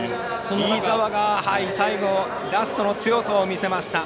飯澤が最後ラストの強さを見せました。